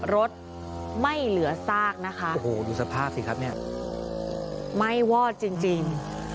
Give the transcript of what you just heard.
รถไม่เหลือซากนะคะโอ้โหดูสภาพสิครับเนี่ยไม่วอดจริงจริง